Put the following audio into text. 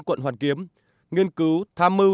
quận hoàn kiếm nghiên cứu tham mưu